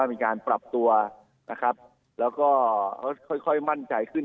มีการปรับตัวนะครับแล้วก็ค่อยมั่นใจขึ้น